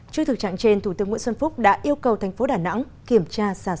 trước thực trạng trên thủ tướng nguyễn xuân phúc đã yêu cầu thành phố đà nẵng